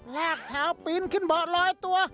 ลากแถวปีนขึ้นเบาะลอยตัว